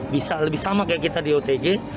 bisa lebih sama kayak kita di otg